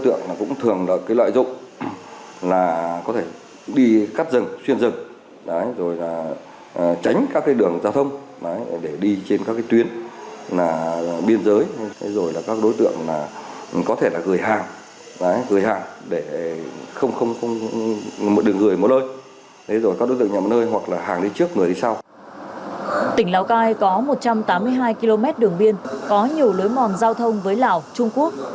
tỉnh lào cai có một trăm tám mươi hai km đường biên có nhiều lối mòn giao thông với lào trung quốc